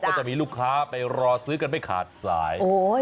ก็จะมีลูกค้าไปรอซื้อกันไม่ขาดสาย